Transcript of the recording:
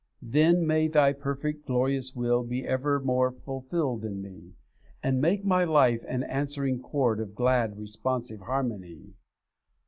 'Then may Thy perfect, glorious will Be evermore fulfilled in me, And make my life an answ'ring chord Of glad, responsive harmony.